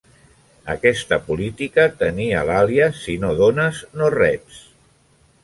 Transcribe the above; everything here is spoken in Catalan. Aquesta política tenia l"àlies "si no dones, no reps".